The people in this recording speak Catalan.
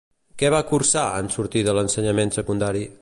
Què va cursar en sortir de l'ensenyament secundari?